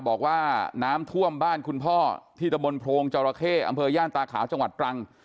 บอกว่าน้ำท่วมบ้านคุณพ่อที่ตะบนโพรงจอราเข้อำเภอย่านตาขาวจังหวัดตรัง